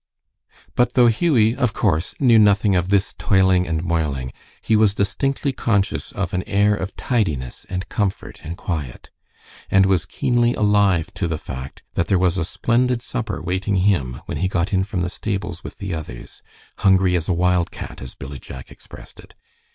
But though Hughie, of course, knew nothing of this toiling and moiling, he was distinctly conscious of an air of tidiness and comfort and quiet, and was keenly alive to the fact that there was a splendid supper waiting him when he got in from the stables with the others, "hungry as a wild cat," as Billy jack expressed it.